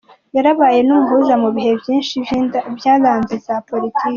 Yarabaye n’umuhuza mu bihe vyinshi vy’indyane za politike.